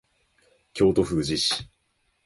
京都府宇治市